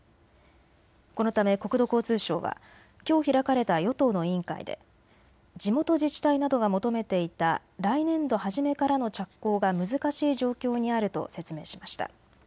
このため国土交通省はきょう開かれた与党の委員会で地元自治体などが求めていた来年度初めからの着工が難しい状況にあると説明しました。